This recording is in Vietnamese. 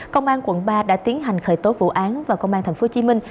công an quận ba đã tiến hành khởi tố vụ án và công an tp hồ chí minh